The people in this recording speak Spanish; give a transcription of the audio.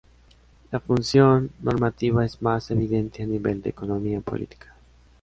La función normativa es más evidente a nivel de economía política.